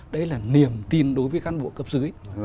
đấy là niềm tin đối với cán bộ cấp dưới